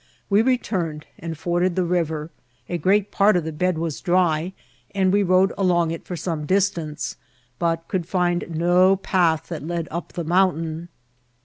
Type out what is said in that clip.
We returned A LAND OP MOVNTAIMS. Tt and forded the river ; a great part <^ the bed was dry, and we rode along it for some distance, bnt could find no path that led up the moimtain.